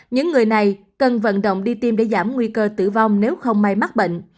những người này cần vận động đi tiêm để giảm nguy cơ tử vong nếu không may mắc bệnh